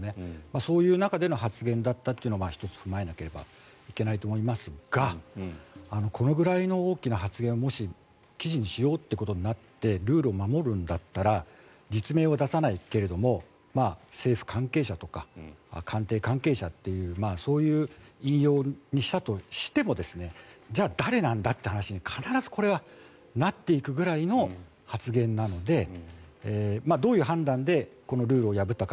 そういう中での発言だったというのは１つ踏まえないといけないと思いますがこのぐらいの大きな発言をもし記事にしようということになってルールを守るんだったら実名は出さないけども政府関係者とか官邸関係者というそういう引用にしたとしてもじゃあ、誰なんだという話に必ず、これはなっていくぐらいの発言なのでどういう判断でこのルールを破ったか